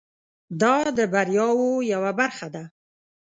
دا د بریاوو یوه برخه ده.